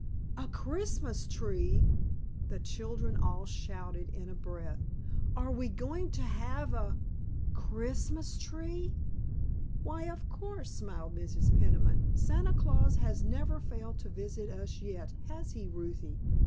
"A Christmas tree?" the children all shouted in a breath. "Are we going to have a Christmas tree?" "Why, of course," smiled Mrs. Peniman. "Santa Claus has never failed to visit us yet, has he, Ruthie?